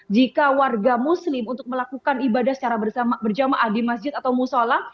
jika warga muslim untuk melakukan ibadah secara berjamaah di masjid atau musola